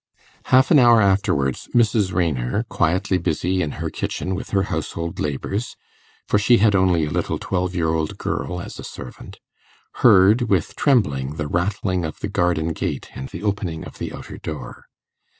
Half an hour afterwards Mrs. Raynor, quietly busy in her kitchen with her household labours for she had only a little twelve year old girl as a servant heard with trembling the rattling of the garden gate and the opening of the outer door.